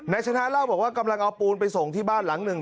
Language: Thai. ชนะเล่าบอกว่ากำลังเอาปูนไปส่งที่บ้านหลังหนึ่ง